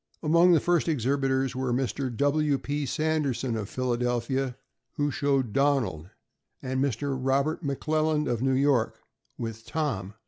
Among the first exhibitors were Mr. W. P. Sanderson, of Philadelphia, who showed Donald, and Mr. Robert McLelland, of New York, with Tom.